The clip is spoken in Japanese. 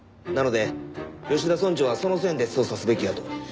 なので吉田村長はその線で捜査すべきやと。